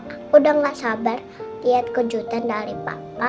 aku sudah tidak sabar melihat kejutan dari papa